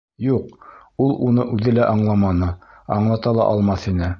Юҡ, ул уны үҙе лә аңламаны, аңлата ла алмаҫ ине.